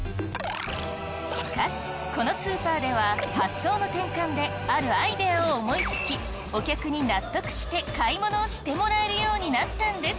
しかしこのスーパーでは発想の転換であるアイデアを思いつきお客に納得して買い物をしてもらえるようになったんです！